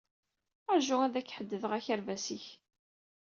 Ṛju ad ak-ḥeddedeɣ akerbas-ik.